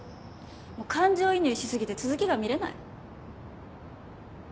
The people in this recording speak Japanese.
もう感情移入し過ぎて続きが見れない。